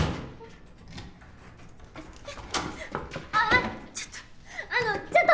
ああちょっと！